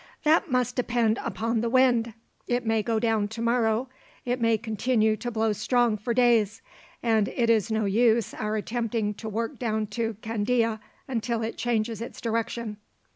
"That must depend upon the wind. It may go down tomorrow, it may continue to blow strong for days, and it is no use our attempting to work down to Candia until it changes its direction.